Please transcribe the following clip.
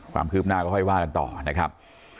ความคืบหน้าก็ค่อยว่ากันต่อนะครับ